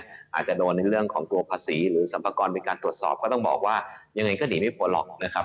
อาจจะโดนในเรื่องของตัวภาษีหรือสรรพากรมีการตรวจสอบก็ต้องบอกว่ายังไงก็หนีไม่พ้นหรอกนะครับ